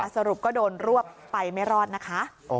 สรุปก็โดนรวบไปไม่รอดนะคะ